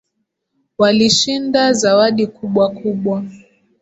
Walishinda zawadi kubwa kubwa